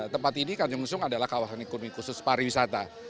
tempat ini tanjung lesung adalah kawasan ekonomi khusus pariwisata